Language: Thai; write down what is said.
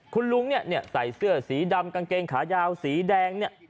คุณลุงเนี่ยใส่เสื้อสีดำกางเกงขายาวสีแดงเนี่ย